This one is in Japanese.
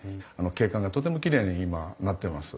景観がとてもきれいに今なってます。